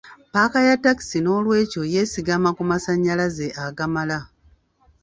Paaka ya takisi n'olwekyo yeesigama ku masanyalaze agamala.